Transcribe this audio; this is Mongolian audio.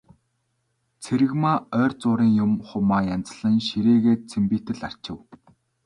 Цэрэгмаа ойр зуурын юм, хумаа янзлан ширээгээ цэмбийтэл арчив.